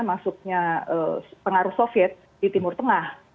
masuknya pengaruh soviet di timur tengah